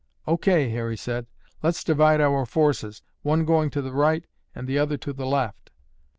"O. K.," Harry said. "Let's divide our forces, one going to the right and the other to the left."